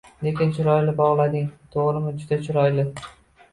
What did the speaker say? lekin chiroyli bog‘lading to‘g‘rimi, juda chiroyli.